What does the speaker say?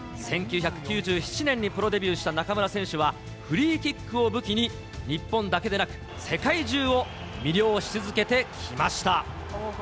１９９７年にプロデビューした中村選手は、フリーキックを武器に、日本だけでなく世界中を魅了し続けてきました。